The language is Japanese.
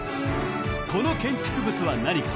この建築物は何か？